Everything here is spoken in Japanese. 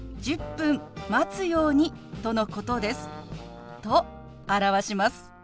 １０分待つようにとのことです」と表します。